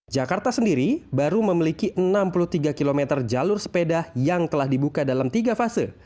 jakarta sendiri baru memiliki enam puluh tiga km jalur sepeda yang telah dibuka dalam tiga fase